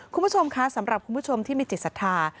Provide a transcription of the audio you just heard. คุณผู้ชมคะสำหรับคุณผู้ชมที่มีจิตศรัทธา